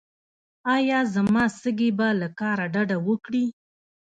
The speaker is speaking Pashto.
ایا زما سږي به له کار ډډه وکړي؟